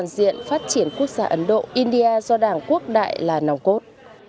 diện phát triển quốc gia ấn độ india do đảng quốc đại là nòng cốt